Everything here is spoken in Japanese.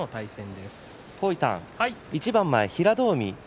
一番前の平戸海